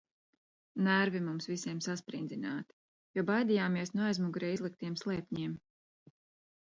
Nervi mums visiem sasprindzināti, jo baidījāmies no aizmugurē izliktiem slēpņiem.